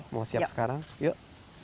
mau siap sekarang yuk